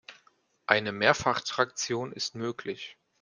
Eine Mehrfachtraktion ist möglich.